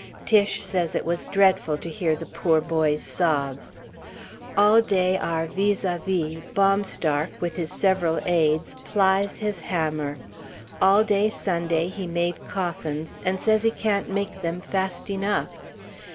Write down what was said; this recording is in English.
Tiche says it was dreadful to hear the poor boy's sobs. All day our vis à vis, Baumstark, with his several aids, plies his hammer; all day Sunday he made coffins, and says he can't make them fast enough.